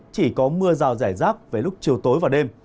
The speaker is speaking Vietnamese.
chỉ có mưa rào rải rác về lúc chiều tối và đêm